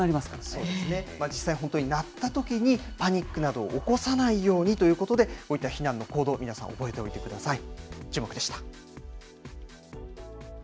そうですね、実際本当に鳴ったときに、パニックなどを起こさないようにということで、こういった避難の行動、皆さん、覚えておいてください。